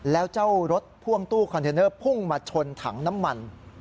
แล้วเจ้ารถพ่วงตู้คอนเทนเนอร์พุ่งมาชนถังน้ำมัน